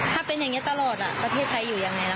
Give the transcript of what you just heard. ถ้าเป็นอย่างนี้ตลอดประเทศไทยอยู่ยังไงล่ะ